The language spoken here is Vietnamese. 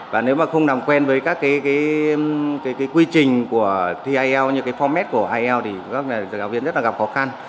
và nếu mà không nằm quen với các cái quy trình của thi ielts như cái format của ielts thì các giáo viên rất là gặp khó khăn